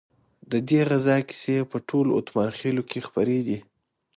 ددې غزا کیسې په ټولو اتمانخيلو کې خپرې دي.